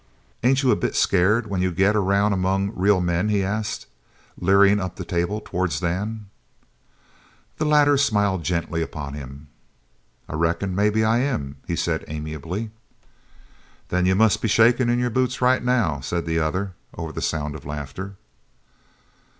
"Ain't you a bit scared when you get around among real men?" he asked, leering up the table towards Dan. The latter smiled gently upon him. "I reckon maybe I am," he said amiably. "Then you must be shakin' in your boots right now," said the other over the sound of the laughter.